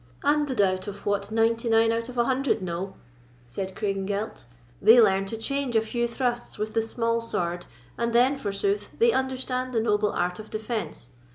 "And the double of what ninety nine out of a hundred know," said Craigengelt; "they learn to change a few thrusts with the small sword, and then, forsooth, they understand the noble art of defence!